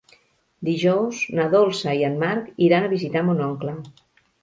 Dijous na Dolça i en Marc iran a visitar mon oncle.